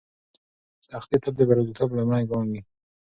سختي تل د بریالیتوب لومړی ګام وي.